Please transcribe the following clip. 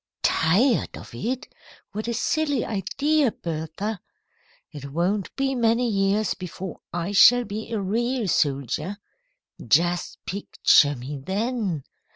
"Tired of it! What a silly idea, Bertha. It won't be many years before I shall be a real soldier. Just picture me then!